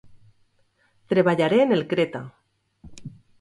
Treballaré en el Creta.